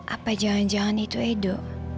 apa jalan jalan itu edo